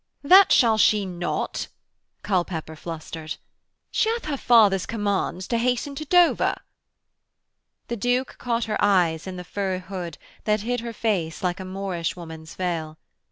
'That shall she not,' Culpepper flustered. 'Sh'ath her father's commands to hasten to Dover.' The Duke caught her eyes in the fur hood that hid her face like a Moorish woman's veil.